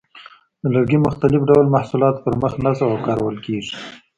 د لرګي مختلف ډول محصولاتو پر مخ نصب او کارول کېږي.